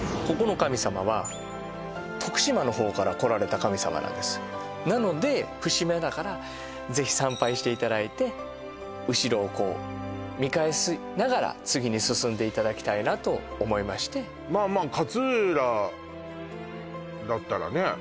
ここの神様は徳島の方から来られた神様なんですなので節目だからぜひ参拝していただいて後ろをこう見返しながら次に進んでいただきたいなと思いましてまあまあ勝浦だったらね